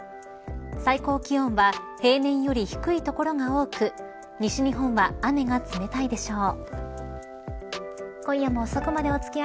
最高気温は平年より低い所が多く西日本は雨が冷たいでしょう。